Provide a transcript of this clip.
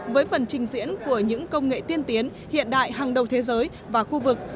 với phần trình diễn của những công nghệ tiên tiến hiện đại hàng đầu thế giới và khu vực